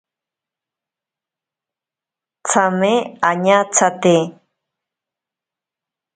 Tsame añatsate.